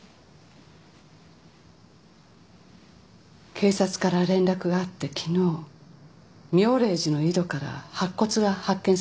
警察から連絡があって昨日妙霊寺の井戸から白骨が発見されたそうよ。